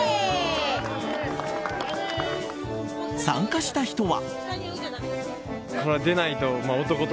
参加した人は。